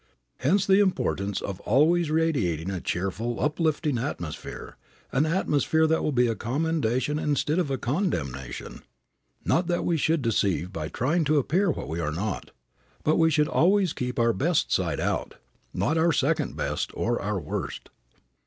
Hence the importance of always radiating a cheerful, uplifting atmosphere, an atmosphere that will be a commendation instead of a condemnation. Not that we should deceive by trying to appear what we are not, but we should always keep our best side out, not our second best or our worst.